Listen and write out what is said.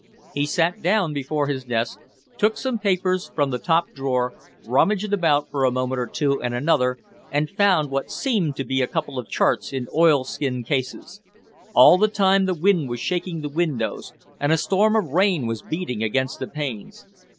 He sat down before his desk, took some papers from the top drawer, rummaged about for a moment or two in another, and found what seemed to be a couple of charts in oilskin cases. All the time the wind was shaking the windows, and a storm of rain was beating against the panes.